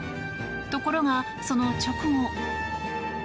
ところが、その直後。